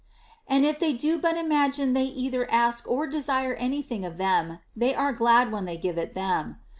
And if they do but imagine they either ask or desire any thing of them, they are glad when they give it them.